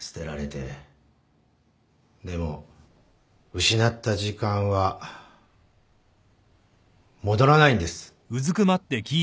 でも失った時間は戻らないんです